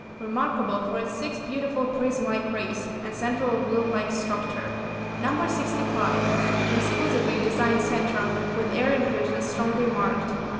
Remarkable for its six beautiful prism like rays, and central wheel like structure. No. 65. An exquisitely designed centre, with air inclusions strongly marked.